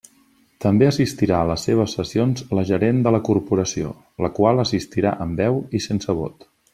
També assistirà a les seves sessions la Gerent de la corporació, la qual assistirà amb veu i sense vot.